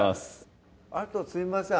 あとすいません